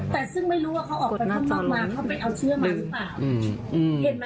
แต่ซึ่งไม่รู้ว่าเขาออกไปข้างนอกมาเขาไปเอาเชื้อมาหรือเปล่า